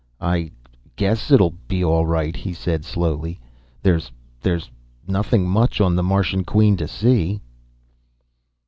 "I guess it'll be all right," he said slowly, "though there's nothing much on the Martian Queen to see."